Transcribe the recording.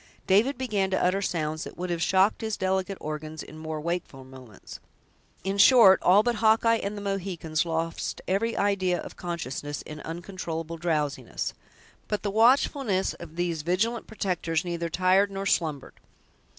David began to utter sounds that would have shocked his delicate organs in more wakeful moments; in short, all but Hawkeye and the Mohicans lost every idea of consciousness, in uncontrollable drowsiness. But the watchfulness of these vigilant protectors neither tired nor slumbered.